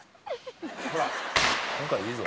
今回いいぞ。